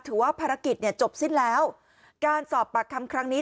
ถือว่าภารกิจเนี่ยจบสิ้นแล้วการสอบปากคำครั้งนี้